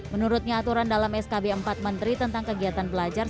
menurutnya aturan dalam skb empat menteri tentang kegiatan belajar